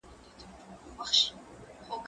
زه اجازه لرم چي مينه وښيم!